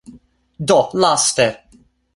Do laste